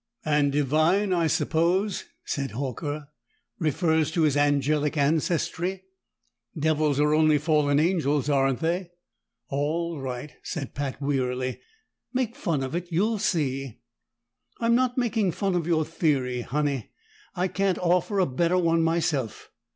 "And Devine, I suppose," said Horker, "refers to his angelic ancestry. Devils are only fallen angels, aren't they?" "All right," said Pat wearily. "Make fun of it. You'll see!" "I'm not making fun of your theory, Honey. I can't offer a better one myself.